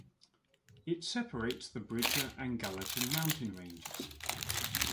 It separates the Bridger and Gallatin mountain ranges.